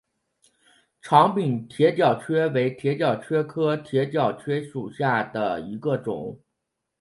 长柄铁角蕨为铁角蕨科铁角蕨属下的一个种。